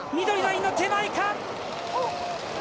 緑の手前か。